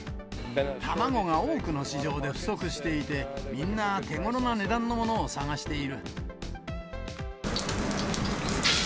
卵が多くの市場で不足していて、みんな手ごろな値段のものを探している。